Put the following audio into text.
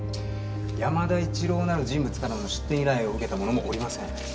山田一郎なる人物からの出店依頼を受けた者もおりません。